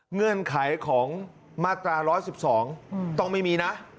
เงื่อนไขของมาตรา๑๑๒ต้องไม่มีนะ